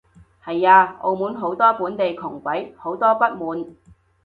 係啊，澳門好多本地窮鬼，好多不滿